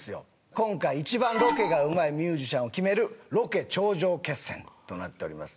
今回一番ロケがうまいミュージシャンを決めるロケ頂上決戦となっております